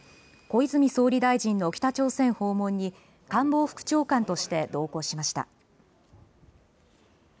小泉総理大臣の北朝鮮訪問に官房副長官として同行しました。